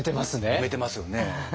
埋めてますよね。